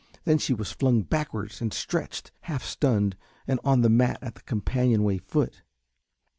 Then she was flung backwards and stretched, half stunned, on the mat at the companion way foot.